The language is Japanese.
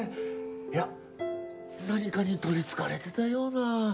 いや何かに取り憑かれてたような。